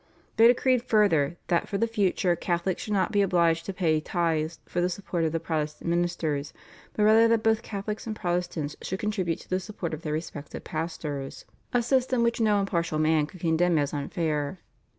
They decreed further that for the future Catholics should not be obliged to pay tithes for the support of the Protestant ministers, but rather that both Catholics and Protestants should contribute to the support of their respective pastors, a system which no impartial man could condemn as unfair.